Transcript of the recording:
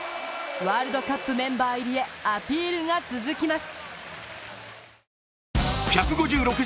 ワールドカップメンバー入りへアピールが続きます。